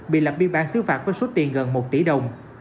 bị lập biên bản xứ phạt với số tiền gần một tỷ đồng